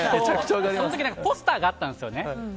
その時はポスターがあったんですよ。